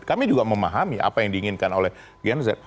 kami juga memahami apa yang diinginkan oleh gen z